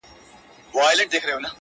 بهرني ځواکونه راپورونه جوړوي ډېر ژر،